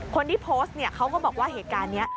คนที่โพสต์เนี่ยเขาก็บอกว่าเหตุการณ์นี้